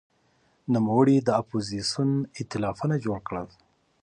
نوموړي د اپوزېسیون ائتلافونه جوړ کړل.